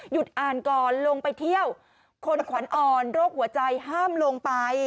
อ่านก่อนลงไปเที่ยวคนขวัญอ่อนโรคหัวใจห้ามลงไป